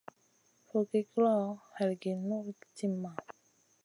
Fogki guloʼo, halgi guʼ nul timma.